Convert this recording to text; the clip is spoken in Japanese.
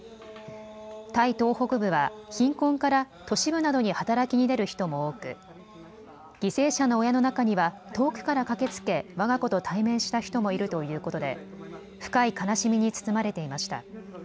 タイ東北部は貧困から都市部などに働きに出る人も多く犠牲者の親の中には遠くから駆けつけ、わが子と対面した人もいるということで深い悲しみに包まれていました。